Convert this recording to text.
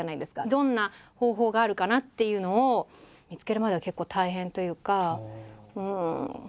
どんな方法があるかなっていうのを見つけるまでは結構大変というか。